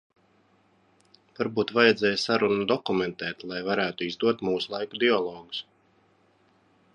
Varbūt vajadzēja sarunu dokumentēt, lai varētu izdot mūslaiku dialogus.